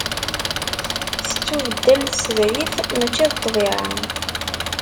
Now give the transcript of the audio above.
Tettubeddal tsedrit mačči d ṭṭbiɛa.